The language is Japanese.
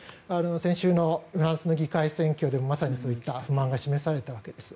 先週のフランスの議会選挙でもまさにそういった不満が示されたわけです。